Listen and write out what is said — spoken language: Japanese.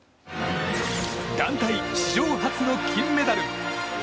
団体史上初の金メダル！